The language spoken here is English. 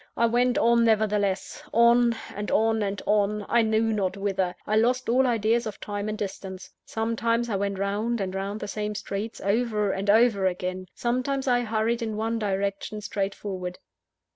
I went on, nevertheless; on, and on, and on, I knew not whither. I lost all ideas of time and distance. Sometimes I went round and round the same streets, over and over again. Sometimes I hurried in one direction, straight forward.